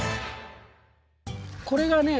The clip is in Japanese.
これがね